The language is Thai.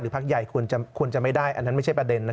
พักใหญ่ควรจะไม่ได้อันนั้นไม่ใช่ประเด็น